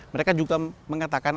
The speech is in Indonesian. mereka juga mengatakan